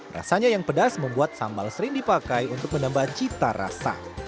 rasanya yang pedas membuat sambal sering dipakai untuk menambah cita rasa